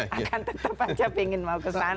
akan tetap aja ingin mau kesana